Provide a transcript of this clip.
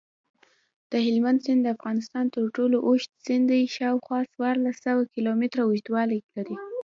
دهلمند سیند دافغانستان ترټولو اوږد سیند دی شاوخوا څوارلس سوه کیلومتره اوږدوالۍ لري.